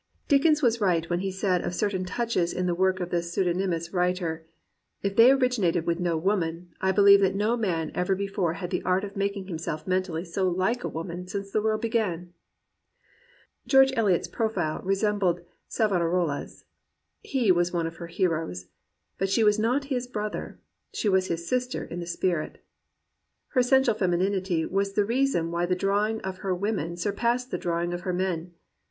Dickens was right when he said of certain touches in the work of this pseudonymous writer: "If they originated with no woman, I beheve that no man ever before had the art of making himself mentally so like a woman since the world began.'* George Ehot's profile resembled Savonarola's. He was one of her heroes. But she was not his brother. She was his sister in the spirit. Her essential femininity was the reason why the drawing of her women surpassed the drawing of her men.